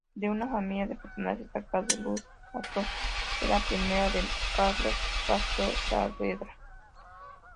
De una familia de personajes destacados, "Luz Castro" era prima de Carlos Castro Saavedra.